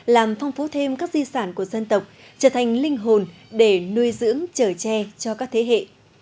làm phong phú thêm các di sản của dân tộc trở thành linh hồn để nuôi dưỡng chở tre cho các thế hệ